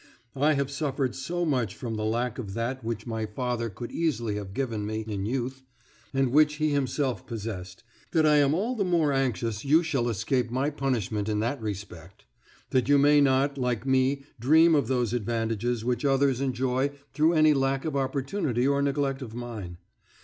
I have suffered so much from the lack of that which my father could easily have given me in youth, and which he himself possessed, that I am all the more anxious you shall escape my punishment in that respect; that you may not, like me, dream of those advantages which others enjoy through any lack of opportunity or neglect of mine.